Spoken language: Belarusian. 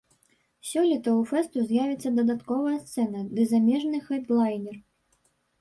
Сёлета ў фэсту з'явіцца дадатковая сцэна ды замежны хэдлайнер.